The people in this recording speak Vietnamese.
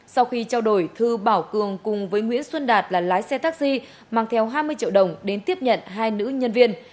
sau khi trao đổi thư bảo cường cùng với nguyễn xuân đạt là lái xe taxi mang theo hai mươi triệu đồng đến tiếp nhận hai nữ nhân viên